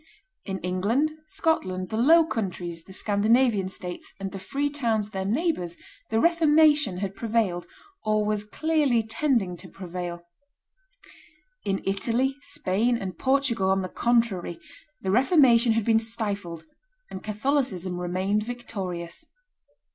In England, Scotland, the Low Countries, the Scandinavian states, and the free towns their neighbors, the Reformation had prevailed or was clearly tending to prevail. In Italy, Spain, and Portugal, on the contrary, the Reformation had been stifled, and Catholicism remained victorious.